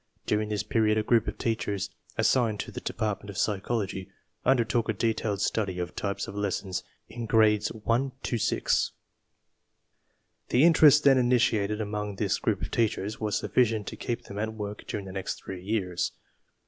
During this period a group of teachers, assigned to the Department of Psychology, undertook a detailed study of types of 63 54 TESTS AND SCHOOL REORGANIZATION lessons in Grades 1 to 6. The interest then initiated among this group of teachers was sufficient to keep them at work during the next three years.